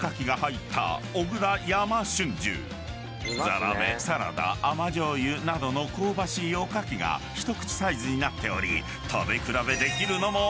［ザラメサラダ甘醤油などの香ばしいおかきが一口サイズになっており］